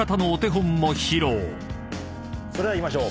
それではいきましょう。